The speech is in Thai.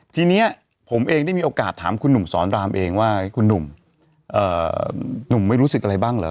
ทีนี้ผมเองได้มีโอกาสถามคุณหนุ่มสอนรามเองว่าคุณหนุ่มไม่รู้สึกอะไรบ้างเหรอ